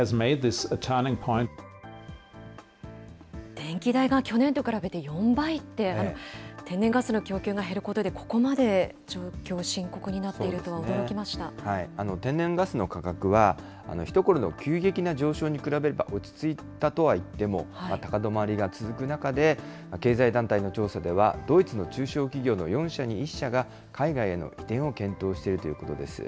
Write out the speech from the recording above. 電気代が去年と比べて４倍って、天然ガスの供給が減ることで、ここまで状況、天然ガスの価格は、ひところの急激な上昇に比べれば、落ち着いたとはいっても、高止まりが続く中で、経済団体の調査では、ドイツの中小企業の４社に１社が、海外への移転を検討しているということです。